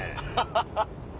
ハハハハ！